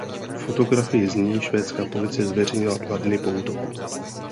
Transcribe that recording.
Fotografii z ní švédská policie zveřejnila dva dny po útoku.